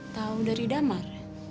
tau dari damar